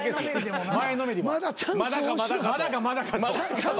まだかまだかと。